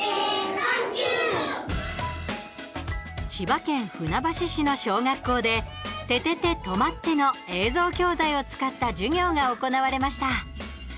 千葉県船橋市の小学校で「ててて！とまって！」の映像教材を使った授業が行われました。